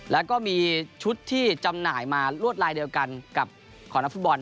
แล้วก็มีชุดที่จำหน่ายมาลวดลายเดียวกันกับของนักฟุตบอล